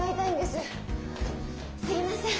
すいません。